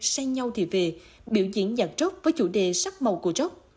say nhau thì về biểu diễn dạng trót với chủ đề sắc màu của trót